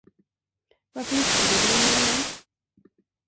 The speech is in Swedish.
Varför gifte du dig med honom?